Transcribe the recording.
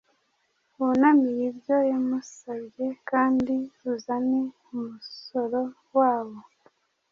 Wunamire ibyo yamusabye kandi uzane umusoro wabo